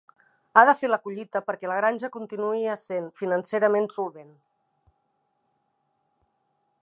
Ha de fer la collita perquè la granja continuï essent financerament solvent.